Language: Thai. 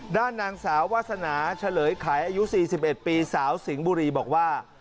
ด้านนางสาววาสนาเฉลยไขอายุ๔๑ปีสาวสิงห์บุรีบอกว่า